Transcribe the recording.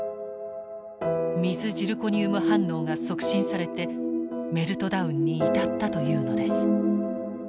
水ジルコニウム反応が促進されてメルトダウンに至ったというのです。